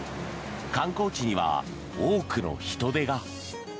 観光地には多くの人出が。